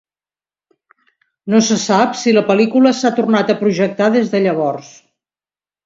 No se sap si la pel·lícula s'ha tornat a projectar des de llavors.